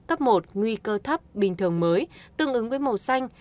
cấp một nguy cơ thấp bình thường mới tương ứng với màu xanh